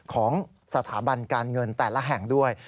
ของสถาบันการเงินแต่ละแห่งด้วย